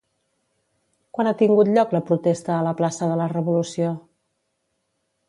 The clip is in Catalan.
Quan ha tingut lloc la protesta a la plaça de la Revolució?